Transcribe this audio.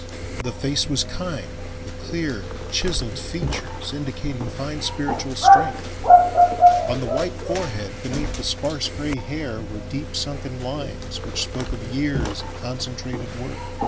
The face was kind, its clear chiselled features indicating fine spiritual strength; on the white forehead beneath the sparse gray hair were deep sunken lines which spoke of years of concentrated work.